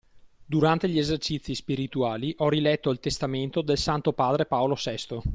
Durante gli esercizi spirituali ho riletto il testamento del Santo Padre Paolo VI.